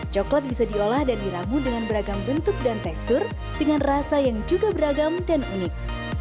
coklat bisa diolah dan diramu dengan beragam bentuk dan tekstur dengan rasa yang juga beragam dan unik